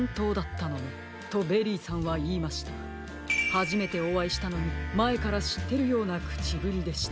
はじめておあいしたのにまえからしってるようなくちぶりでした。